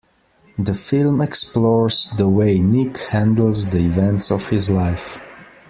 The film explores the way Nik handles the events of his life.